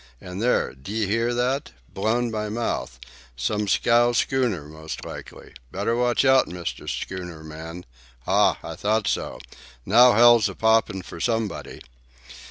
"And there! D'ye hear that? Blown by mouth. Some scow schooner, most likely. Better watch out, Mr. Schooner man. Ah, I thought so. Now hell's a poppin' for somebody!"